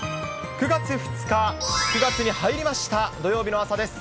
９月２日、９月に入りました、土曜日の朝です。